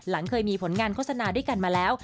เคยมีผลงานโฆษณาด้วยกันมาแล้ว